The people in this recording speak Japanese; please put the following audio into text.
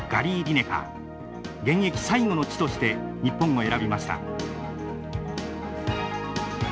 現役最後の地として日本を選びました。